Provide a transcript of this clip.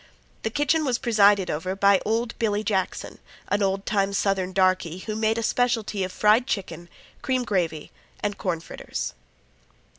The kitchen was presided over by old Billy Jackson, an old time Southern darkey, who made a specialty of fried chicken, cream gravy, and corn fritters.